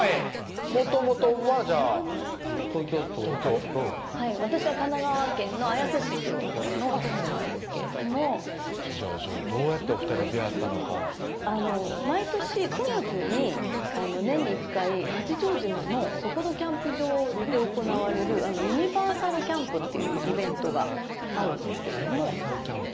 もともとはじゃあ東京都大田区と私は神奈川県の綾瀬市っていう所の出身なんですけれどもどうやってお２人が出会ったのか毎年９月に年に１回八丈島の底土キャンプ場で行われる「ユニバーサルキャンプ」っていうイベントがあるんですけれども「ユニバーサルキャンプ」？